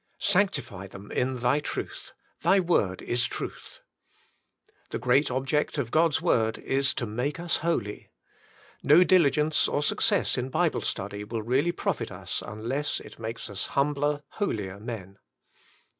*' Sanctify them in Thy truth, Thy word is truth." The Great Object of God's Word Is TO Make us Holy. No diligence or success in Bible study will really profit us unless it makes us humbler, holier men.